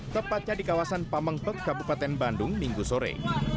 tepatnya di kawasan pamengpek kabupaten bandung minggu sore